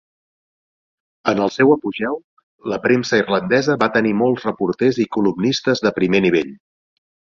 En el seu apogeu, "La premsa irlandesa" va tenir molts reporters i columnistes de primer nivell.